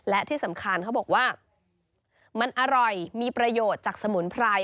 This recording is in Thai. และที่สำคัญเขาบอกว่ามันอร่อยมีประโยชน์จากสมุนไพร